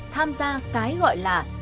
tham gia cái gọi là trưng tử